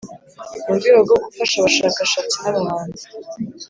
Mu rwego rwo gufasha abashakashatsi nabahanzi